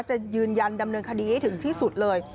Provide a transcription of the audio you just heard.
จะยืนยันดำเนินคดีให้ถึงที่สุดเลย